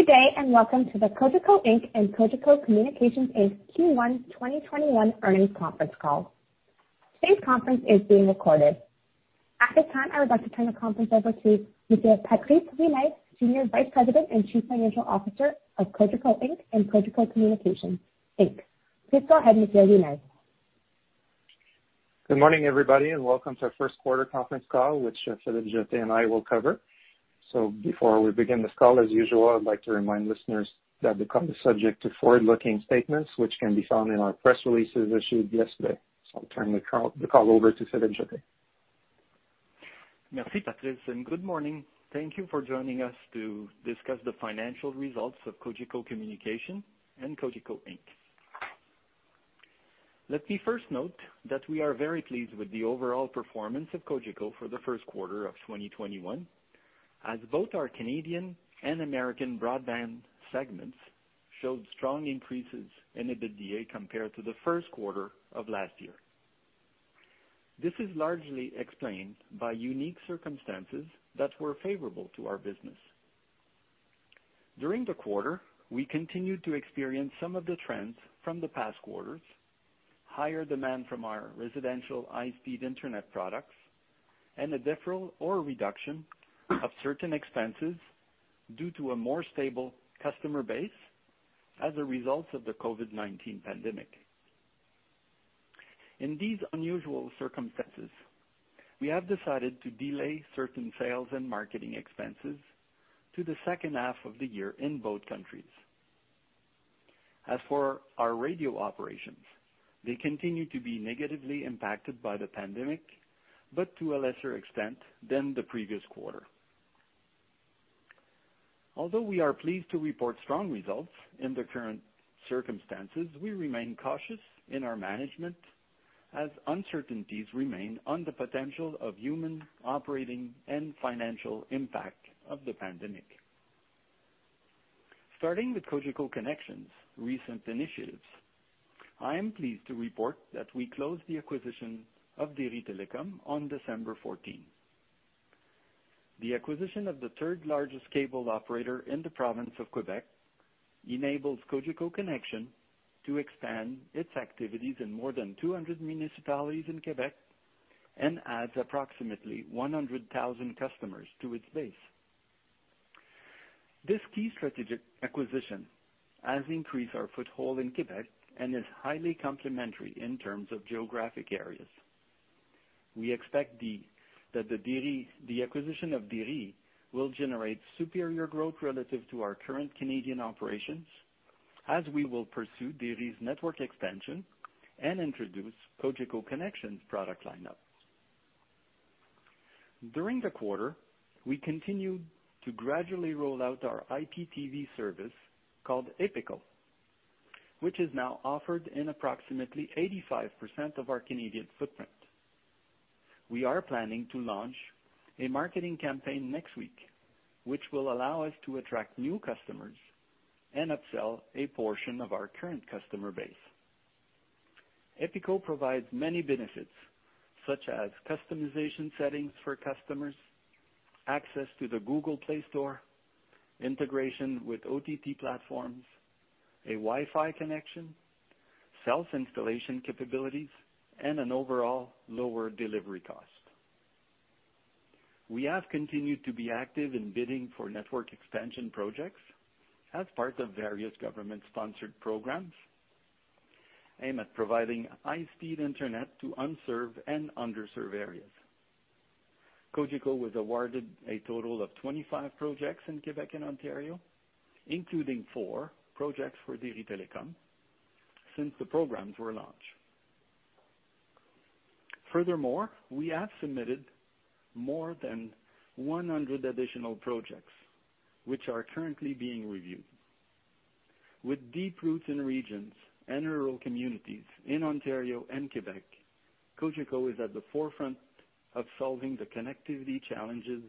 Good day, and welcome to the Cogeco Inc. and Cogeco Communications Inc. Q1 2021 earnings conference call. Today's conference is being recorded. At this time, I would like to turn the conference over to Patrice Ouimet, Senior Vice President and Chief Financial Officer of Cogeco Inc. and Cogeco Communications Inc. Please go ahead, Mr. Ouimet. Good morning, everybody, and welcome to our first quarter conference call, which Philippe Jetté and I will cover. Before we begin this call, as usual, I'd like to remind listeners that the call is subject to forward-looking statements, which can be found in our press releases issued yesterday. I'll turn the call over to Philippe Jetté. Merci, Patrice. Good morning. Thank you for joining us to discuss the financial results of Cogeco Communications and Cogeco Inc. Let me first note that we are very pleased with the overall performance of Cogeco for the first quarter of 2021, as both our Canadian and American broadband segments showed strong increases in EBITDA compared to the first quarter of last year. This is largely explained by unique circumstances that were favorable to our business. During the quarter, we continued to experience some of the trends from the past quarters, higher demand from our residential high-speed internet products, and a deferral or reduction of certain expenses due to a more stable customer base as a result of the COVID-19 pandemic. In these unusual circumstances, we have decided to delay certain sales and marketing expenses to the second half of the year in both countries. As for our radio operations, they continue to be negatively impacted by the pandemic, but to a lesser extent than the previous quarter. Although we are pleased to report strong results in the current circumstances, we remain cautious in our management, as uncertainties remain on the potential of human, operating, and financial impact of the pandemic. Starting with Cogeco Connexion's recent initiatives, I am pleased to report that we closed the acquisition of DERYtelecom on December 14. The acquisition of the third-largest cable operator in the province of Quebec enables Cogeco Connexion to expand its activities in more than 200 municipalities in Quebec and adds approximately 100,000 customers to its base. This key strategic acquisition has increased our foothold in Quebec and is highly complementary in terms of geographic areas. We expect that the acquisition of DERY will generate superior growth relative to our current Canadian operations, as we will pursue DERY's network expansion and introduce Cogeco Connexion's product lineup. During the quarter, we continued to gradually roll out our IPTV service called EPICO, which is now offered in approximately 85% of our Canadian footprint. We are planning to launch a marketing campaign next week, which will allow us to attract new customers and upsell a portion of our current customer base. EPICO provides many benefits, such as customization settings for customers, access to the Google Play Store, integration with OTT platforms, a Wi-Fi connection, self-installation capabilities, and an overall lower delivery cost. We have continued to be active in bidding for network expansion projects as part of various government-sponsored programs aimed at providing high-speed internet to unserved and underserved areas. Cogeco was awarded a total of 25 projects in Quebec and Ontario, including four projects for DERYtelecom, since the programs were launched. We have submitted more than 100 additional projects, which are currently being reviewed. With deep roots in regions and rural communities in Ontario and Quebec, Cogeco is at the forefront of solving the connectivity challenges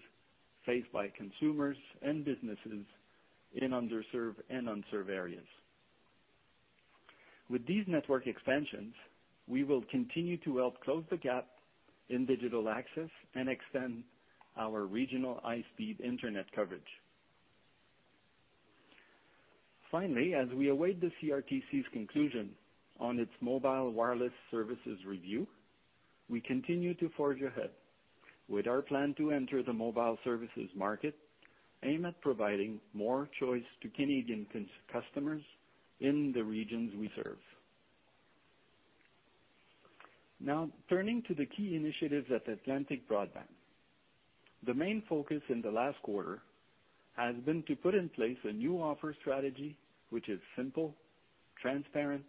faced by consumers and businesses in underserved and unserved areas. With these network expansions, we will continue to help close the gap in digital access and extend our regional high-speed internet coverage. As we await the CRTC's conclusion on its mobile wireless services review, we continue to forge ahead with our plan to enter the mobile services market aimed at providing more choice to Canadian customers in the regions we serve. Turning to the key initiatives at Atlantic Broadband. The main focus in the last quarter has been to put in place a new offer strategy, which is simple, transparent,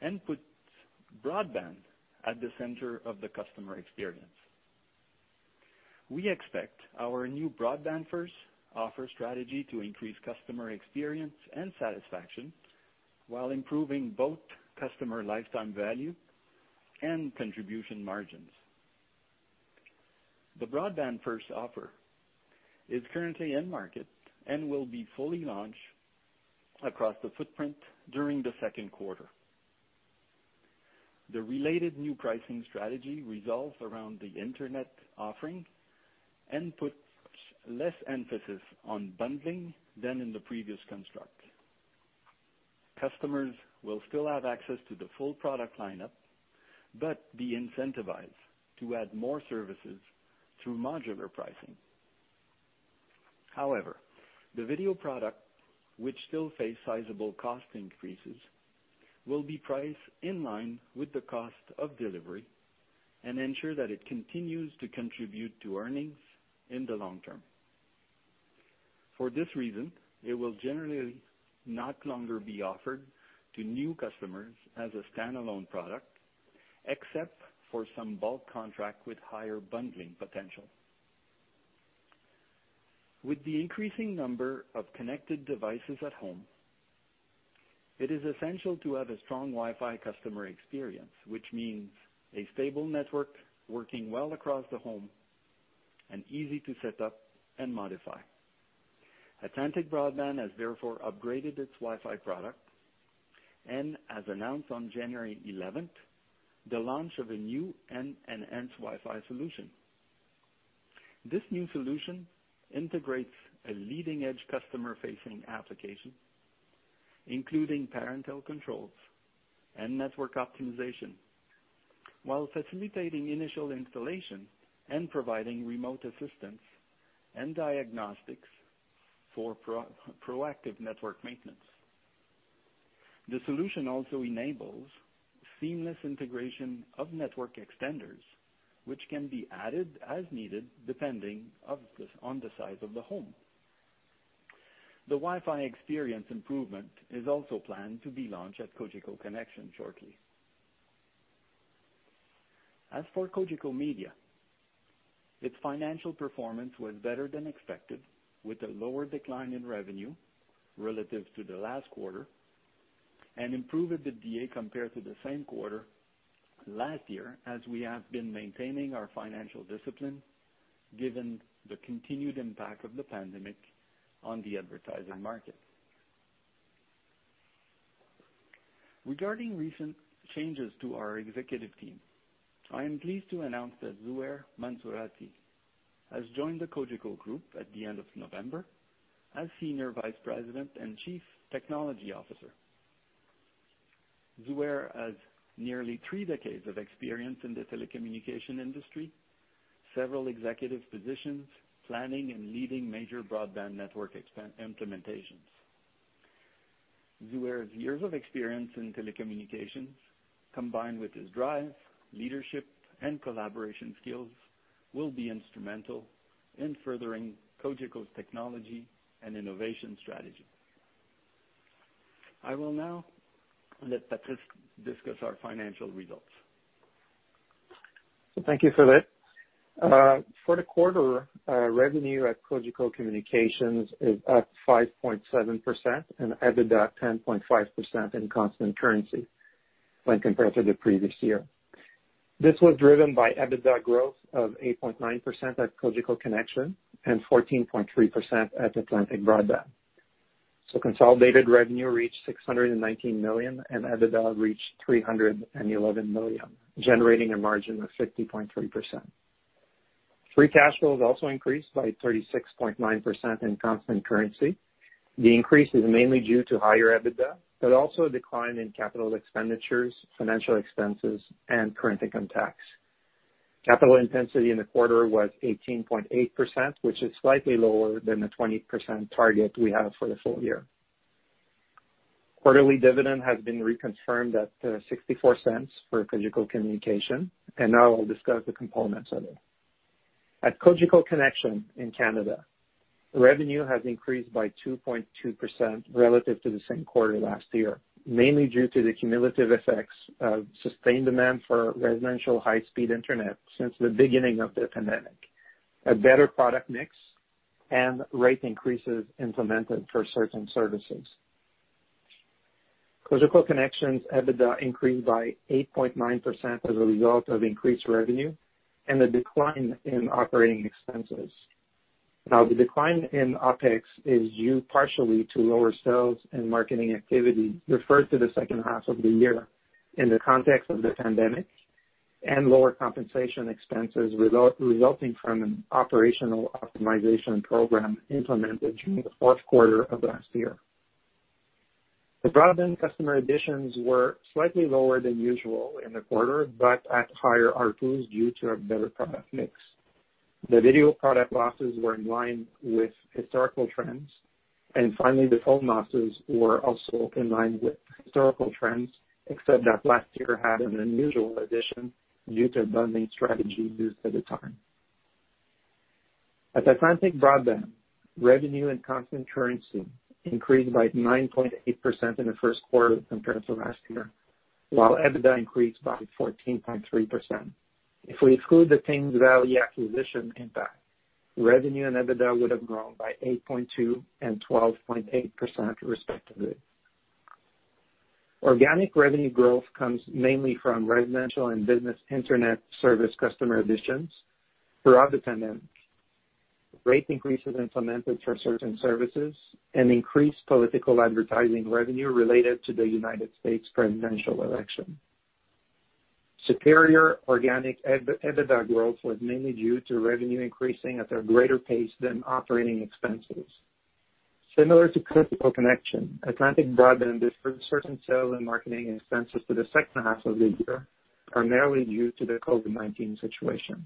and puts broadband at the center of the customer experience. We expect our new Broadband First offer strategy to increase customer experience and satisfaction while improving both customer lifetime value and contribution margins. The Broadband First offer is currently in market and will be fully launched across the footprint during the second quarter. The related new pricing strategy revolves around the internet offering and puts less emphasis on bundling than in the previous construct. Customers will still have access to the full product lineup, but be incentivized to add more services through modular pricing. The video product, which still face sizable cost increases, will be priced in line with the cost of delivery and ensure that it continues to contribute to earnings in the long term. For this reason, it will generally no longer be offered to new customers as a standalone product, except for some bulk contract with higher bundling potential. With the increasing number of connected devices at home, it is essential to have a strong Wi-Fi customer experience, which means a stable network working well across the home and easy to set up and modify. Atlantic Broadband has therefore upgraded its Wi-Fi product and, as announced on January 11th, the launch of a new enhanced Wi-Fi solution. This new solution integrates a leading-edge customer-facing application, including parental controls and network optimization, while facilitating initial installation and providing remote assistance and diagnostics for proactive network maintenance. The solution also enables seamless integration of network extenders, which can be added as needed, depending on the size of the home. The Wi-Fi experience improvement is also planned to be launched at Cogeco Connexion shortly. As for Cogeco Media, its financial performance was better than expected, with a lower decline in revenue relative to the last quarter and improved EBITDA compared to the same quarter last year, as we have been maintaining our financial discipline given the continued impact of the pandemic on the advertising market. Regarding recent changes to our executive team, I am pleased to announce that Zouheir Mansourati has joined the Cogeco group at the end of November as Senior Vice President and Chief Technology Officer. Zouheir has nearly three decades of experience in the telecommunication industry, several executive positions planning and leading major broadband network implementations. Zouheir's years of experience in telecommunications, combined with his drive, leadership, and collaboration skills, will be instrumental in furthering Cogeco's technology and innovation strategy. I will now let Patrice discuss our financial results. Thank you, Philippe. For the quarter, revenue at Cogeco Communications is up 5.7% and EBITDA 10.5% in constant currency when compared to the previous year. This was driven by EBITDA growth of 8.9% at Cogeco Connexion and 14.3% at Atlantic Broadband. Consolidated revenue reached 619 million, and EBITDA reached 311 million, generating a margin of 60.3%. Free cash flow has also increased by 36.9% in constant currency. The increase is mainly due to higher EBITDA, but also a decline in capital expenditures, financial expenses, and current income tax. Capital intensity in the quarter was 18.8%, which is slightly lower than the 20% target we have for the full year. Quarterly dividend has been reconfirmed at 0.64 for Cogeco Communications. Now I'll discuss the components of it. At Cogeco Connexion in Canada, revenue has increased by 2.2% relative to the same quarter last year, mainly due to the cumulative effects of sustained demand for residential high-speed internet since the beginning of the pandemic, a better product mix, and rate increases implemented for certain services. Cogeco Connexion's EBITDA increased by 8.9% as a result of increased revenue and a decline in operating expenses. The decline in OpEx is due partially to lower sales and marketing activity deferred to the second half of the year in the context of the pandemic and lower compensation expenses resulting from an operational optimization program implemented during the fourth quarter of last year. The broadband customer additions were slightly lower than usual in the quarter, but at higher ARPU due to a better product mix. The video product losses were in line with historical trends. Finally, the phone losses were also in line with historical trends, except that last year had an unusual addition due to bundling strategy used at the time. At Atlantic Broadband, revenue and constant currency increased by 9.8% in the first quarter compared to last year, while EBITDA increased by 14.3%. If we exclude the Thames Valley acquisition impact, revenue and EBITDA would have grown by 8.2% and 12.8%, respectively. Organic revenue growth comes mainly from residential and business internet service customer additions throughout the pandemic. Rate increases implemented for certain services and increased political advertising revenue related to the United States presidential election. Superior organic EBITDA growth was mainly due to revenue increasing at a greater pace than operating expenses. Similar to Cogeco Connexion, Atlantic Broadband deferred certain sales and marketing expenses to the second half of the year, primarily due to the COVID-19 situation.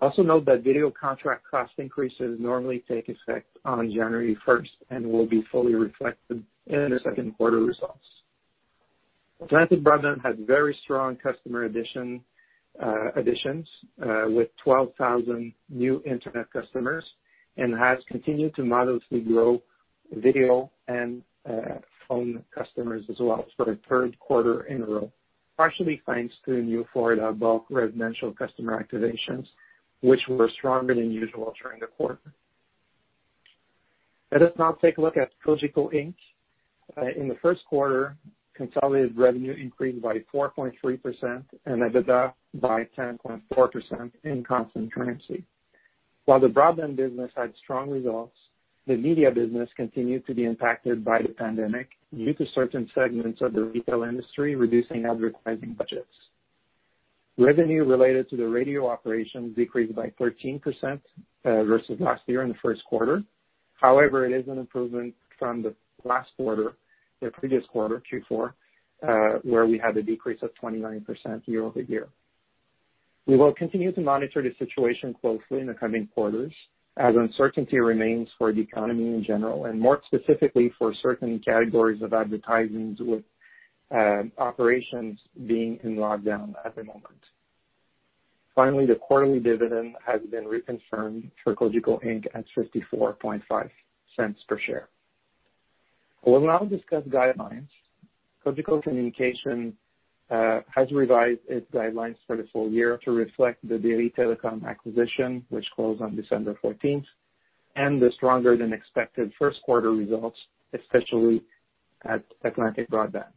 Also note that video contract cost increases normally take effect on January 1st and will be fully reflected in the second quarter results. Atlantic Broadband had very strong customer additions with 12,000 new internet customers and has continued to modestly grow video and phone customers as well for the third quarter in a row, partially thanks to new Florida bulk residential customer activations, which were stronger than usual during the quarter. Let us now take a look at Cogeco Inc. In the first quarter, consolidated revenue increased by 4.3% and EBITDA by 10.4% in constant currency. While the broadband business had strong results, the media business continued to be impacted by the pandemic due to certain segments of the retail industry reducing advertising budgets. Revenue related to the radio operations decreased by 13% versus last year in the first quarter. It is an improvement from the last quarter, the previous quarter, Q4, where we had a decrease of 29% year-over-year. We will continue to monitor the situation closely in the coming quarters, as uncertainty remains for the economy in general and more specifically for certain categories of advertising, with operations being in lockdown at the moment. Finally, the quarterly dividend has been reconfirmed for Cogeco Inc. at 0.545 per share. We will now discuss guidelines. Cogeco Communications has revised its guidelines for the full year to reflect the DERYtelecom acquisition, which closed on December 14, and the stronger than expected first quarter results, especially at Atlantic Broadband.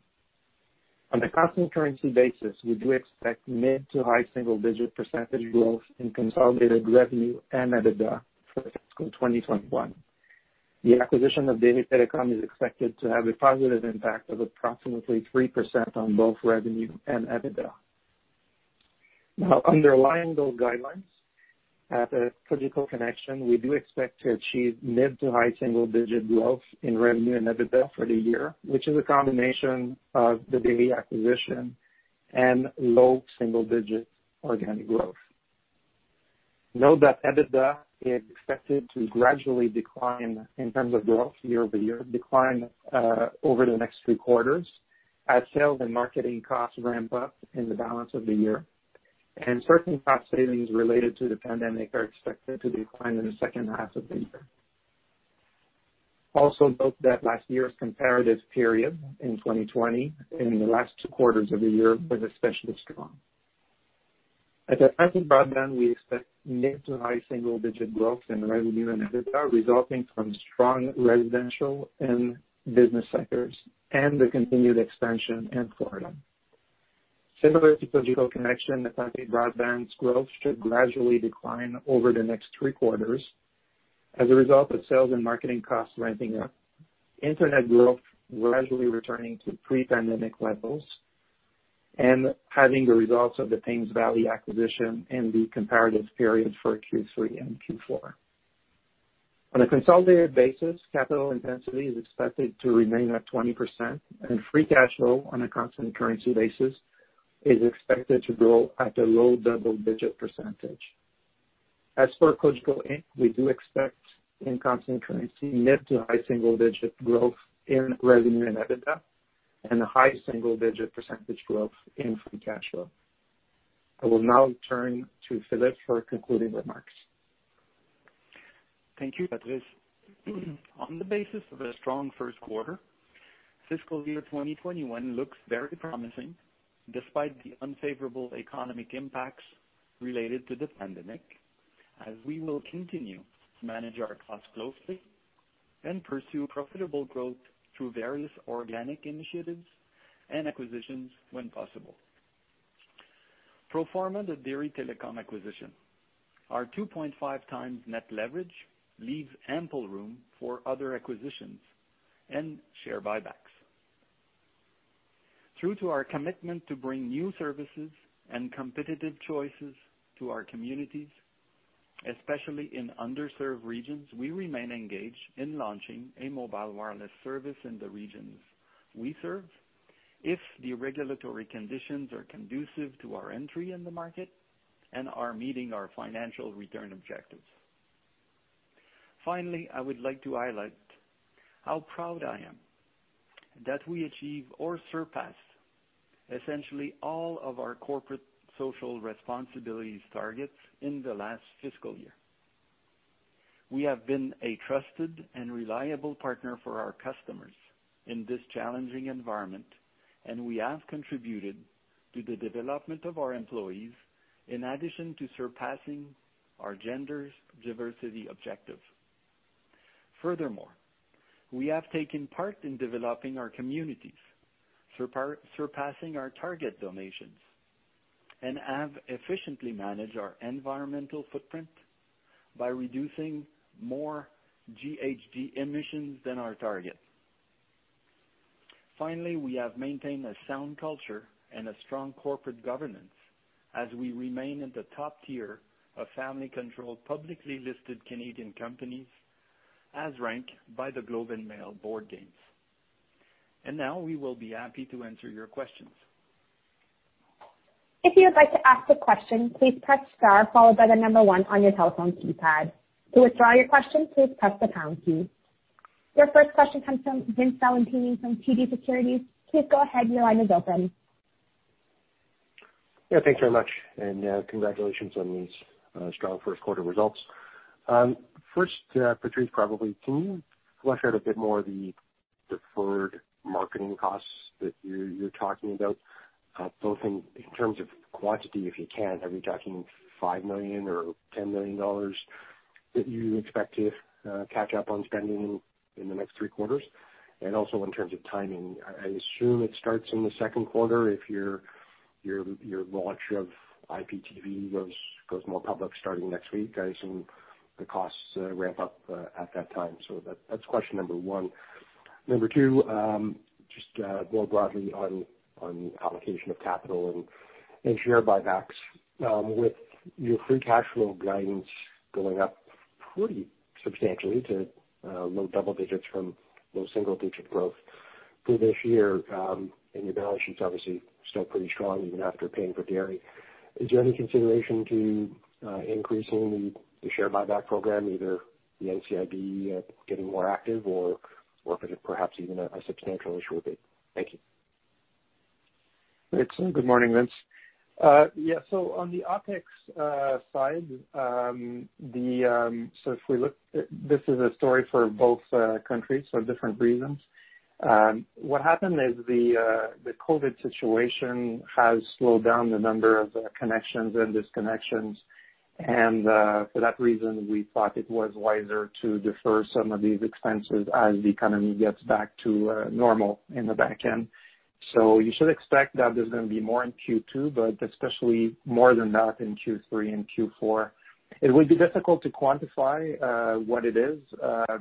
On a constant currency basis, we do expect mid to high single-digit percentage growth in consolidated revenue and EBITDA for fiscal 2021. The acquisition of DERYtelecom is expected to have a positive impact of approximately 3% on both revenue and EBITDA. Underlying those guidelines, at a Cogeco Connexion, we do expect to achieve mid to high single-digit growth in revenue and EBITDA for the year, which is a combination of the DERYtelecom acquisition and low single-digit organic growth. Note that EBITDA is expected to gradually decline in terms of growth year-over-year, decline over the next three quarters as sales and marketing costs ramp up in the balance of the year, and certain cost savings related to the pandemic are expected to decline in the second half of the year. Note that last year's comparative period in 2020, in the last two quarters of the year, was especially strong. At Atlantic Broadband, we expect mid to high single-digit growth in revenue and EBITDA, resulting from strong residential and business sectors and the continued expansion in Florida. Similar to Cogeco Connexion, Atlantic Broadband's growth should gradually decline over the next three quarters as a result of sales and marketing costs ramping up, internet growth gradually returning to pre-pandemic levels, and having the results of the Thames Valley acquisition in the comparative periods for Q3 and Q4. On a consolidated basis, capital intensity is expected to remain at 20%, and free cash flow on a constant currency basis is expected to grow at a low double-digit percentage. As for Cogeco Inc., we do expect, in constant currency, mid to high single-digit growth in revenue and EBITDA and a high single-digit percentage growth in free cash flow. I will now turn to Philippe for concluding remarks. Thank you, Patrice. On the basis of a strong first quarter, fiscal year 2021 looks very promising despite the unfavorable economic impacts related to the pandemic, as we will continue to manage our costs closely and pursue profitable growth through various organic initiatives and acquisitions when possible. Pro forma the DERYtelecom acquisition. Our 2.5x net leverage leaves ample room for other acquisitions and share buybacks. True to our commitment to bring new services and competitive choices to our communities, especially in underserved regions, we remain engaged in launching a mobile wireless service in the regions we serve, if the regulatory conditions are conducive to our entry in the market and are meeting our financial return objectives. Finally, I would like to highlight how proud I am that I achieved or surpassed essentially all of our corporate social responsibilities targets in the last fiscal year. We have been a trusted and reliable partner for our customers in this challenging environment, and we have contributed to the development of our employees in addition to surpassing our gender diversity objective. Furthermore, we have taken part in developing our communities, surpassing our target donations, and have efficiently managed our environmental footprint by reducing more GHG emissions than our target. Finally, we have maintained a sound culture and a strong corporate governance as we remain in the top tier of family-controlled, publicly listed Canadian companies as ranked by The Globe and Mail Board Games. Now we will be happy to answer your questions. If you would like to ask a question, please touch star followed by the number one on your telephone keypad. To withdraw your question, please press the pound key. Your first question comes from Vince Valentini from TD Securities. Please go ahead. Your line is open. Yeah. Thanks very much, and congratulations on these strong first quarter results. First, Patrice, probably, can you flesh out a bit more the deferred marketing costs that you're talking about, both in terms of quantity, if you can. Are we talking 5 million or 10 million dollars that you expect to catch up on spending in the next three quarters? Also in terms of timing, I assume it starts in the second quarter if your launch of IPTV goes more public starting next week. I assume the costs ramp up at that time. That's question number one. Number two, just more broadly on allocation of capital and share buybacks. With your free cash flow guidance going up pretty substantially to low double digits from low single-digit growth for this year, and your balance sheet's obviously still pretty strong even after paying for DERYtelecom. Is there any consideration to increasing the share buyback program, either the NCIB getting more active or perhaps even a substantial issue of it? Thank you. Good morning, Vince. Yeah. On the OpEx side, this is a story for both countries for different reasons. What happened is the COVID situation has slowed down the number of connections and disconnections, and for that reason, we thought it was wiser to defer some of these expenses as the economy gets back to normal in the back end. You should expect that there's going to be more in Q2, but especially more than that in Q3 and Q4. It would be difficult to quantify what it is,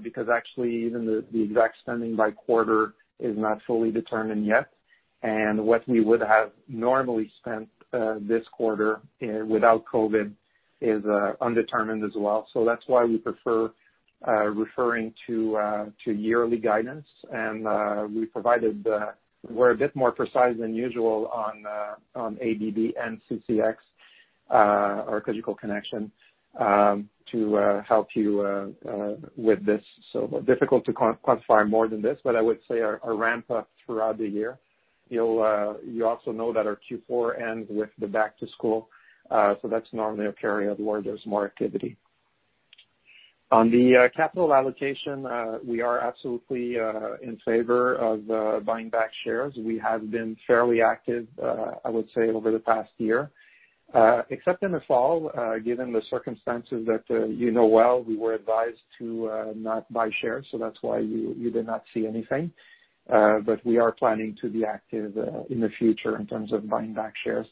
because actually even the exact spending by quarter is not fully determined yet. What we would have normally spent this quarter without COVID is undetermined as well. That's why we prefer referring to yearly guidance. We provided we're a bit more precise than usual on ABB and CCX or Cogeco Connexion to help you with this. Difficult to quantify more than this, but I would say a ramp up throughout the year. You also know that our Q4 ends with the back to school, that's normally a period where there's more activity. On the capital allocation, we are absolutely in favor of buying back shares. We have been fairly active, I would say, over the past year, except in the fall. Given the circumstances that you know well, we were advised to not buy shares, that's why you did not see anything. We are planning to be active in the future in terms of buying back shares.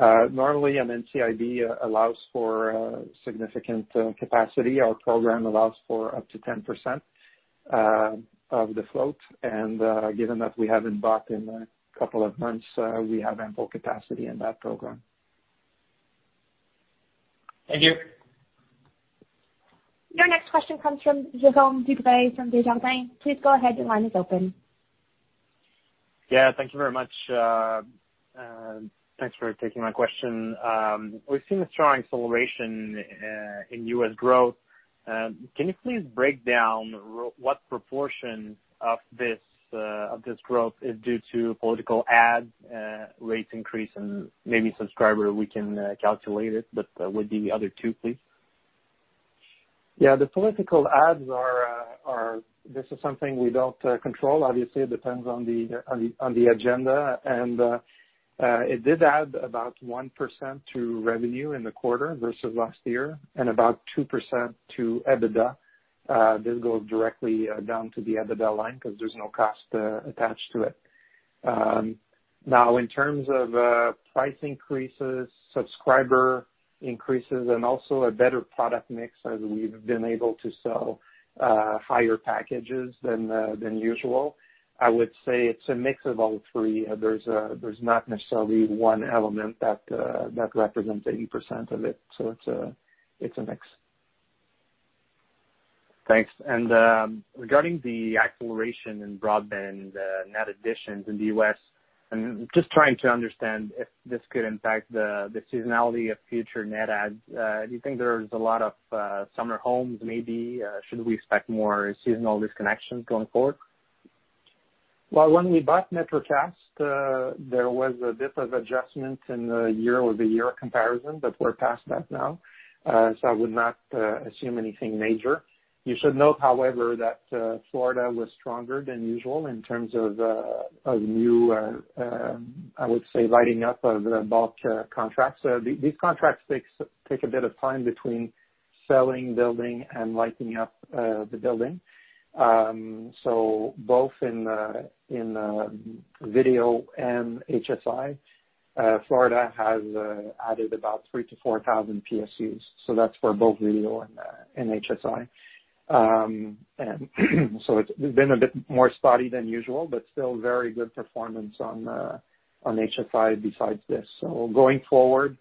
Normally, an NCIB allows for significant capacity. Our program allows for up to 10% of the float, given that we haven't bought in a couple of months, we have ample capacity in that program. Thank you. Your next question comes from Jerome Dubreuil from Desjardins. Please go ahead. Your line is open. Yeah, thank you very much. Thanks for taking my question. We've seen a strong acceleration in U.S. growth. Can you please break down what proportion of this growth is due to political ads, rates increase, and maybe subscriber we can calculate it, but with the other two, please? Yeah. The political ads, this is something we don't control. Obviously, it depends on the agenda. It did add about 1% to revenue in the quarter versus last year and about 2% to EBITDA. This goes directly down to the EBITDA line because there's no cost attached to it. Now, in terms of price increases, subscriber increases, and also a better product mix, as we've been able to sell higher packages than usual. I would say it's a mix of all three. There's not necessarily one element that represents 80% of it, so it's a mix. Thanks. Regarding the acceleration in broadband net additions in the U.S., I'm just trying to understand if this could impact the seasonality of future net adds. Do you think there's a lot of summer homes maybe? Should we expect more seasonal disconnections going forward? Well, when we bought MetroCast, there was a bit of adjustment in the year-over-year comparison. We're past that now. I would not assume anything major. You should note, however, that Florida was stronger than usual in terms of new, I would say, lighting up of bulk contracts. These contracts take a bit of time between. Selling, building, and lighting up the building. Both in video and HSI, Florida has added about 3,000-4,000 PSUs. That's for both video and HSI. It's been a bit more spotty than usual, but still very good performance on HSI besides this. Going forward,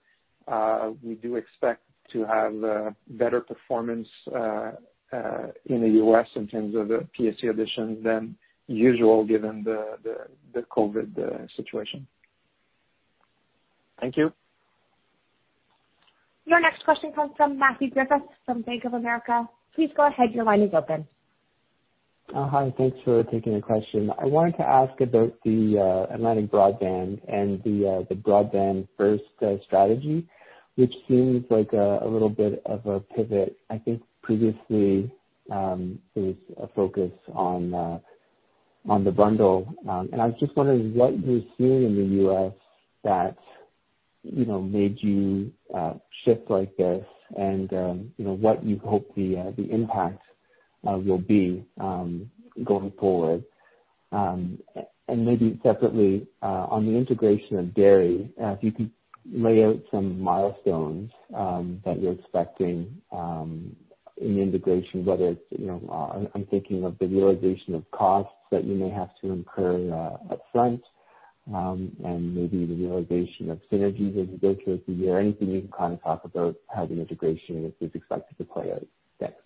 we do expect to have better performance in the U.S. in terms of PSU additions than usual, given the COVID situation. Thank you. Your next question comes from Matthew Griffiths from Bank of America. Please go ahead, your line is open. Hi, thanks for taking the question. I wanted to ask about the Atlantic Broadband and the Broadband First strategy, which seems like a little bit of a pivot. I think previously, it was a focus on the bundle. I was just wondering what you're seeing in the U.S. that made you shift like this and what you hope the impact will be, going forward. Maybe separately, on the integration of DERYtelecom, if you could lay out some milestones that you're expecting in integration, whether it's, I'm thinking of the realization of costs that you may have to incur upfront, and maybe the realization of synergies as you go through the year. Anything you can talk about how the integration is expected to play out. Thanks.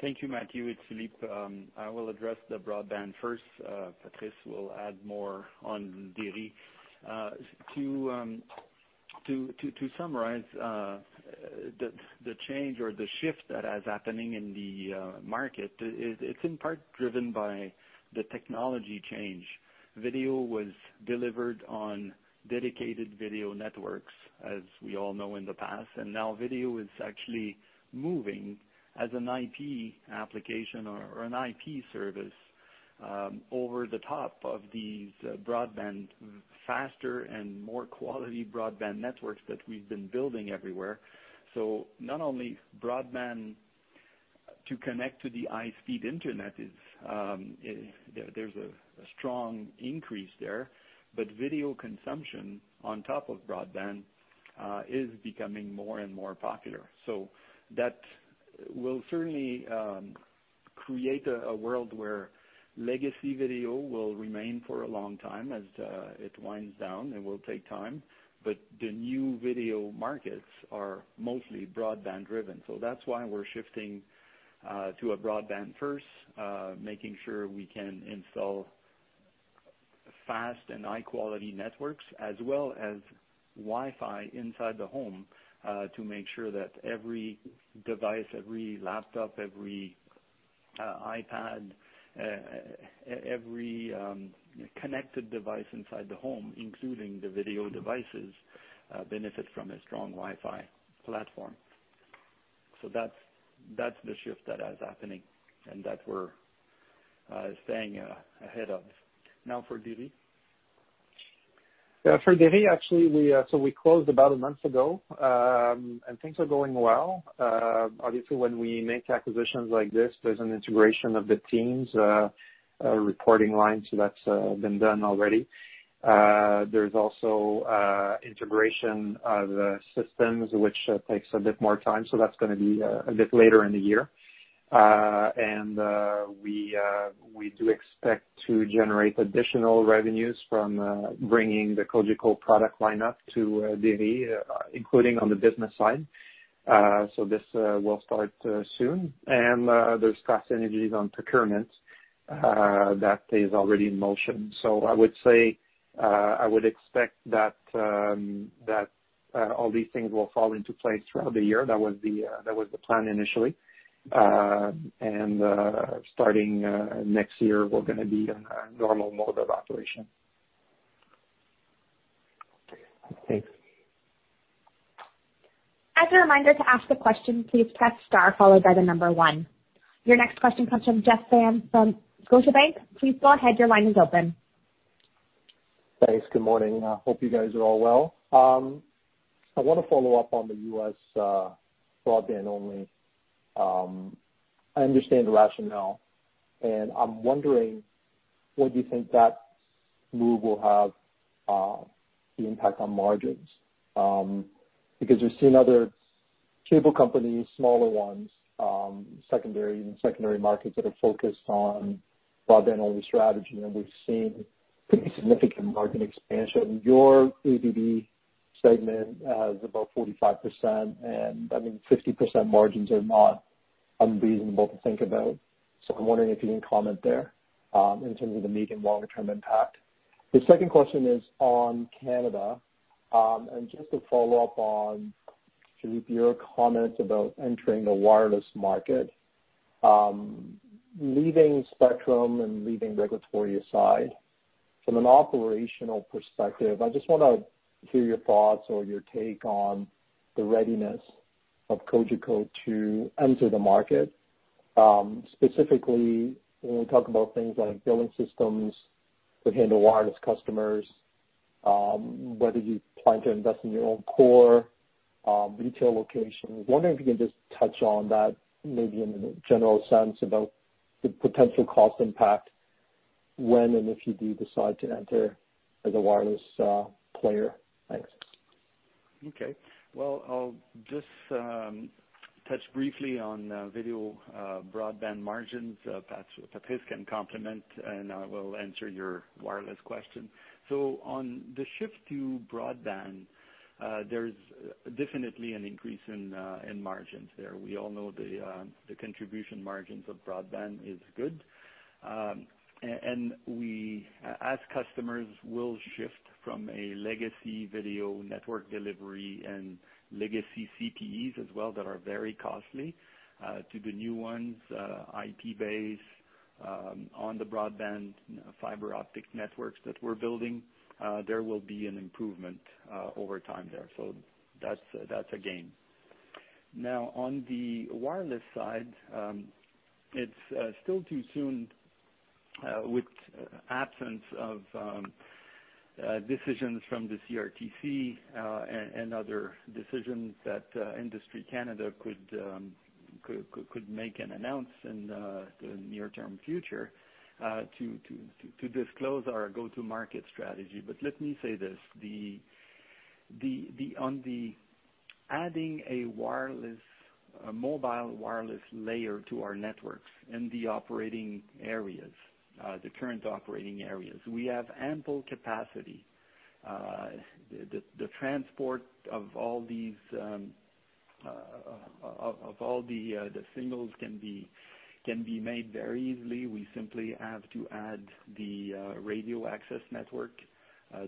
Thank you, Matthew. It's Philippe. I will address the Broadband First. Patrice will add more on DERYtelecom. To summarize the change or the shift that is happening in the market, it's in part driven by the technology change. Video was delivered on dedicated video networks, as we all know in the past. Now video is actually moving as an IP application or an IP service, over the top of these broadband, faster, and more quality broadband networks that we've been building everywhere. Not only broadband to connect to the high-speed internet, there's a strong increase there, but video consumption on top of broadband, is becoming more and more popular. That will certainly create a world where legacy video will remain for a long time as it winds down, and will take time. The new video markets are mostly broadband driven. That's why we're shifting to a Broadband First, making sure we can install fast and high-quality networks as well as Wi-Fi inside the home, to make sure that every device, every laptop, every iPad, every connected device inside the home, including the video devices, benefit from a strong Wi-Fi platform. That's the shift that is happening and that we're staying ahead of. Now for DERY. For DERYtelecom, actually, we closed about a month ago, and things are going well. Obviously, when we make acquisitions like this, there's an integration of the teams, a reporting line. That's been done already. There's also integration of the systems, which takes a bit more time. That's gonna be a bit later in the year. We do expect to generate additional revenues from bringing the Cogeco product lineup to DERYtelecom, including on the business side. This will start soon. There's cost synergies on procurement that is already in motion. I would say, I would expect that all these things will fall into place throughout the year. That was the plan initially. Starting next year, we're gonna be in a normal mode of operation. Okay, thanks. Your next question comes from Jeff Fan from Scotiabank. Please go ahead, your line is open. Thanks. Good morning. Hope you guys are all well. I want to follow up on the U.S. broadband only. I understand the rationale. I'm wondering what you think that move will have the impact on margins. We've seen other cable companies, smaller ones, secondary markets that are focused on broadband-only strategy. We've seen pretty significant margin expansion. Your ABB segment is about 45%. 60% margins are not unreasonable to think about. I'm wondering if you can comment there, in terms of the medium, longer-term impact. The second question is on Canada. Just to follow up on, Philippe, your comments about entering the wireless market. Leaving spectrum and leaving regulatory aside, from an operational perspective, I just wanna hear your thoughts or your take on the readiness of Cogeco to enter the market. Specifically, when we talk about things like billing systems that handle wireless customers whether you plan to invest in your own core retail location. Wondering if you can just touch on that, maybe in a general sense, about the potential cost impact when and if you do decide to enter as a wireless player. Thanks. Well, I'll just touch briefly on video broadband margins. Patrice can complement, I will answer your wireless question. On the shift to broadband, there's definitely an increase in margins there. We all know the contribution margins of broadband is good. As customers will shift from a legacy video network delivery and legacy CPEs as well that are very costly to the new ones, IP-based, on the broadband fiber optic networks that we're building, there will be an improvement over time there. That's a gain. Now, on the wireless side, it's still too soon with absence of decisions from the CRTC and other decisions that Industry Canada could make and announce in the near-term future to disclose our go-to-market strategy. Let me say this, on the adding a mobile wireless layer to our networks in the current operating areas, we have ample capacity. The transport of all the signals can be made very easily. We simply have to add the radio access network.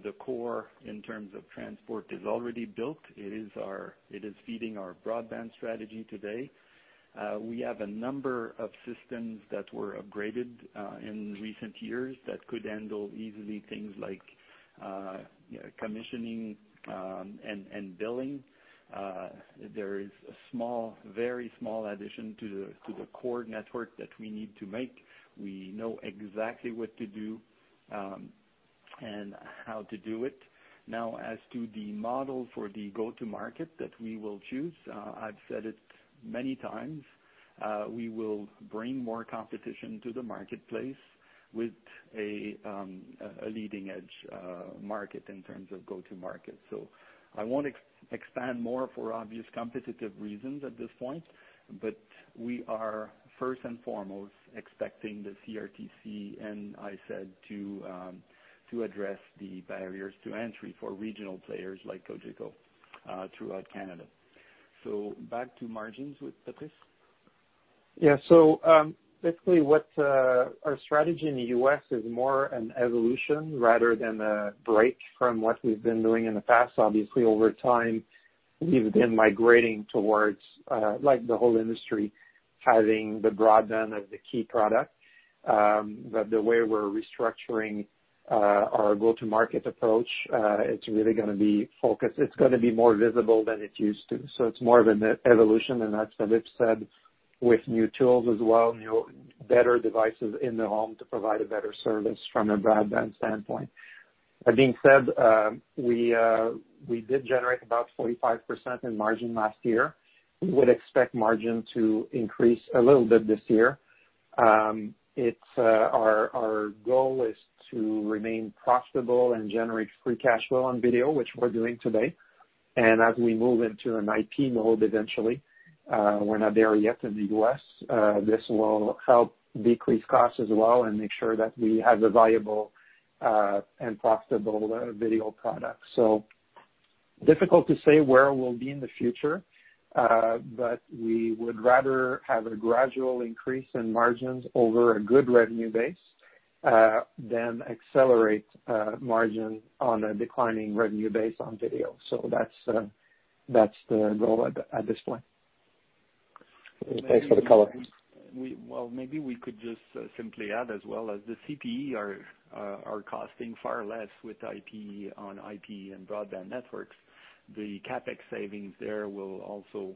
The core in terms of transport is already built. It is feeding our broadband strategy today. We have a number of systems that were upgraded in recent years that could handle easily things like commissioning and billing. There is a very small addition to the core network that we need to make. We know exactly what to do and how to do it. Now, as to the model for the go-to-market that we will choose, I've said it many times, we will bring more competition to the marketplace with a leading-edge market in terms of go-to-market. I won't expand more for obvious competitive reasons at this point, but we are first and foremost expecting the CRTC and ISED to address the barriers to entry for regional players like Cogeco throughout Canada. Back to margins with Patrice. Basically, our strategy in the U.S. is more an evolution rather than a break from what we've been doing in the past. Obviously, over time, we've been migrating towards, like the whole industry, having the broadband as the key product. The way we're restructuring our go-to-market approach, it's going to be more visible than it used to. It's more of an evolution, and as Philippe said, with new tools as well, new, better devices in the home to provide a better service from a broadband standpoint. That being said, we did generate about 45% in margin last year. We would expect margin to increase a little bit this year. Our goal is to remain profitable and generate free cash flow on video, which we're doing today. As we move into an IP mode eventually, we're not there yet in the U.S., this will help decrease costs as well and make sure that we have a valuable and profitable video product. Difficult to say where we'll be in the future, but we would rather have a gradual increase in margins over a good revenue base than accelerate margin on a declining revenue base on video. That's the goal at this point. Thanks for the color. Maybe we could just simply add as well as the CPE are costing far less with IP on IP and broadband networks. The CapEx savings there will also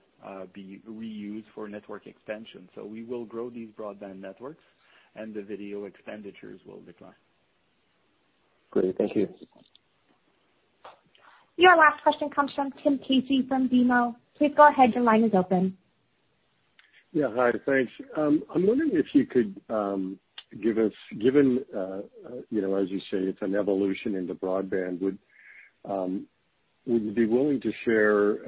be reused for network expansion. We will grow these broadband networks, and the video expenditures will decline. Great. Thank you. Your last question comes from Tim Casey from BMO Capital Markets. Please go ahead. Your line is open. Hi, thanks. I'm wondering if you could give us, given as you say, it's an evolution in the broadband, would you be willing to share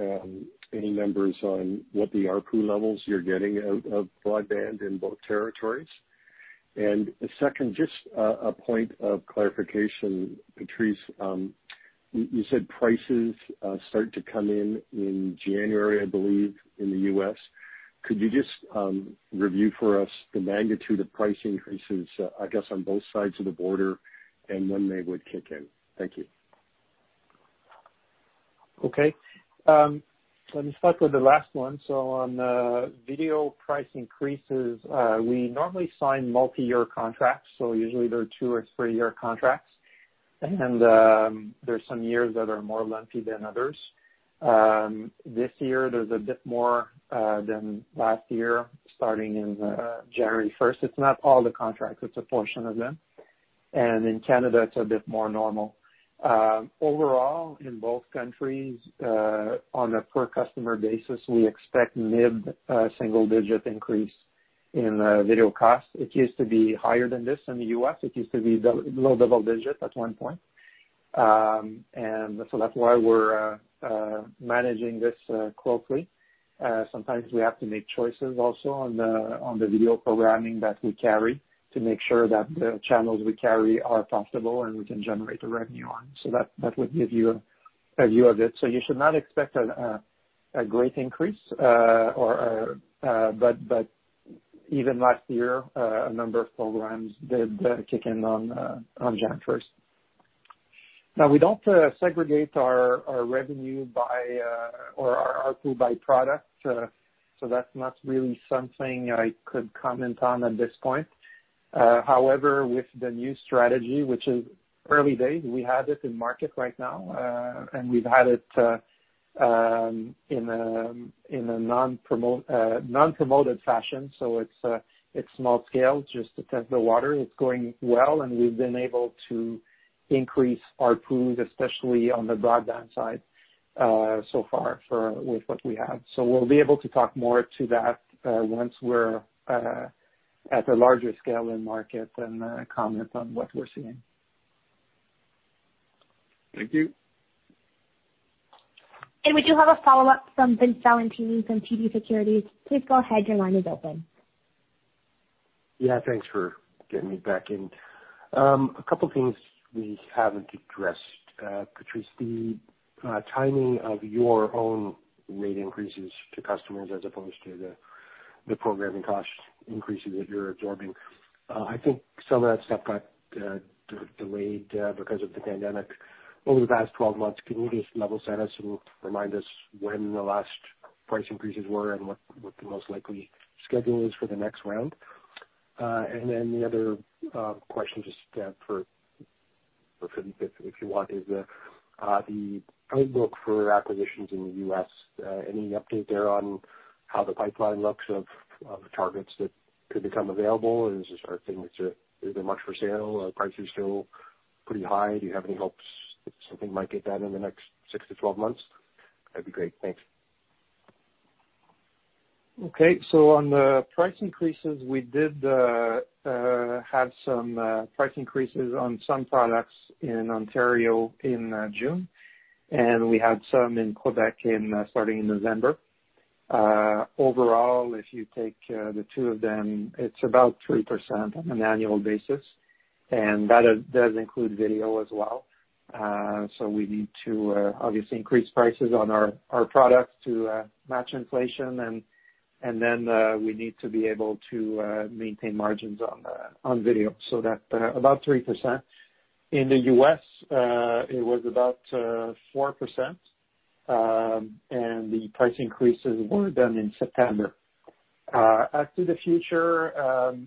any numbers on what the ARPU levels you're getting out of broadband in both territories? Second, just a point of clarification, Patrice. You said prices start to come in in January, I believe, in the U.S. Could you just review for us the magnitude of price increases, I guess, on both sides of the border and when they would kick in? Thank you. Okay. Let me start with the last one. On video price increases, we normally sign multi-year contracts. Usually, they're two or three-year contracts, and there's some years that are more lengthy than others. This year there's a bit more than last year, starting in January 1st. It's not all the contracts, it's a portion of them. In Canada, it's a bit more normal. Overall, in both countries, on a per customer basis, we expect mid-single digit increase in video costs. It used to be higher than this in the U.S. It used to be low double digits at one point. That's why we're managing this closely. Sometimes we have to make choices also on the video programming that we carry to make sure that the channels we carry are profitable and we can generate the revenue on. That would give you a view of it. You should not expect a great increase, but even last year, a number of programs did kick in on January 1st. We don't segregate our revenue or our ARPU by product. That's not really something I could comment on at this point. However, with the new strategy, which is early days, we have it in market right now. We've had it in a non-promoted fashion. It's small scale, just to test the water. It's going well, and we've been able to increase ARPUs, especially on the broadband side so far with what we have. We'll be able to talk more to that once we're at a larger scale in market and comment on what we're seeing. Thank you. We do have a follow-up from Vince Valentini from TD Securities. Please go ahead. Your line is open. Thanks for getting me back in. A couple things we haven't addressed, Patrice. The timing of your own rate increases to customers as opposed to the programming cost increases that you're absorbing. I think some of that stuff got delayed because of the pandemic over the past 12 months. Can you just level set us and remind us when the last price increases were and what the most likely schedule is for the next round? The other question, just for Philippe, if you want, is the playbook for acquisitions in the U.S. Any update there on how the pipeline looks of the targets that could become available? Is there much for sale? Are prices still pretty high? Do you have any hopes that something might get done in the next 6-12 months? That'd be great. Thanks. Okay. On the price increases, we did have some price increases on some products in Ontario in June, and we had some in Quebec starting in November. Overall, if you take the two of them, it's about 3% on an annual basis, and that does include video as well. We need to obviously increase prices on our products to match inflation and we need to be able to maintain margins on video. That's about 3%. In the U.S., it was about 4%, and the price increases were done in September. As to the future,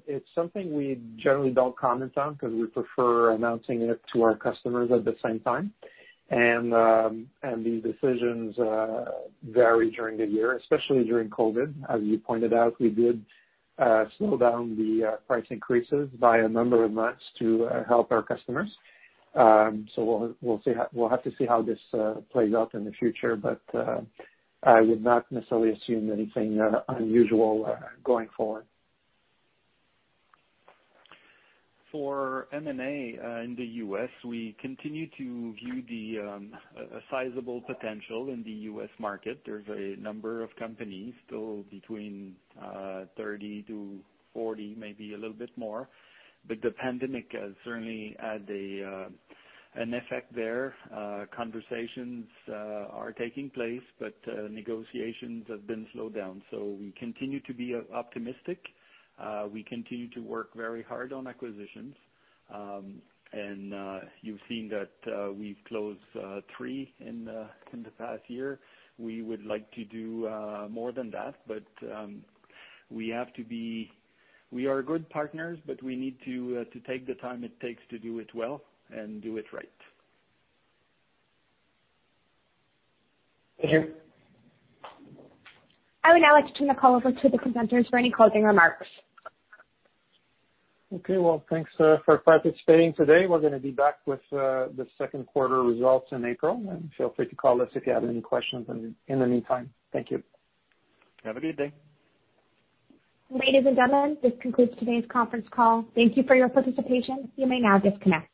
it's something we generally don't comment on because we prefer announcing it to our customers at the same time. These decisions vary during the year, especially during COVID. As you pointed out, we did slow down the price increases by a number of months to help our customers. We'll have to see how this plays out in the future. I would not necessarily assume anything unusual going forward. For M&A in the U.S., we continue to view the sizable potential in the U.S. market. There's a number of companies, still between 30-40, maybe a little bit more, but the pandemic has certainly had an effect there. Conversations are taking place, but negotiations have been slowed down. We continue to be optimistic. We continue to work very hard on acquisitions. You've seen that we've closed three in the past year. We would like to do more than that. We are good partners, but we need to take the time it takes to do it well and do it right. Thank you. I would now like to turn the call over to the presenters for any closing remarks. Okay. Well, thanks for participating today. We're going to be back with the second quarter results in April, and feel free to call us if you have any questions in the meantime. Thank you. Have a good day. Ladies and gentlemen, this concludes today's conference call. Thank you for your participation. You may now disconnect.